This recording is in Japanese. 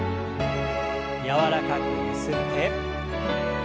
柔らかくゆすって。